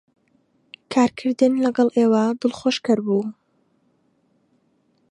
کارکردن لەگەڵ ئێوە دڵخۆشکەر بوو.